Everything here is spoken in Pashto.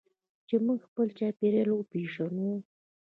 چې موږ خپل چاپیریال وپیژنو.